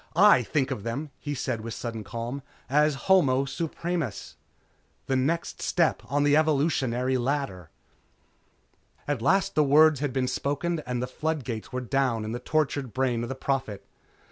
I think of them," he said with sudden calm, "As Homo Supremus. The next step on the evolutionary ladder...." At last the words had been spoken and the flood gates were down in the tortured brain of the Prophet.